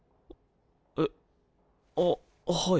えっあっはい。